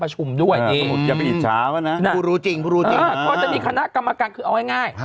ก็จะมีคณะกรรมการคือเอาง่าย